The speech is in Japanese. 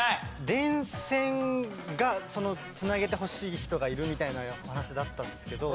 電線が繋げてほしい人がいるみたいなお話だったんですけど。